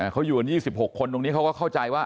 เขาอยู่กัน๒๖คนตรงนี้เขาก็เข้าใจว่า